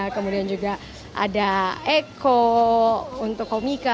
kemudian juga ada eko untuk komika